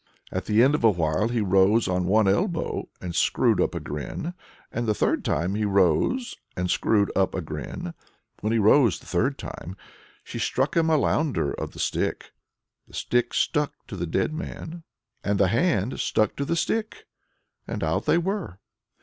At the end of a while, he rose on one elbow, and screwed up a grin; and the third time he rose and screwed up a grin. When he rose the third time, she struck him a lounder of the stick; the stick stuck to the dead man, and the hand stuck to the stick, and out they were."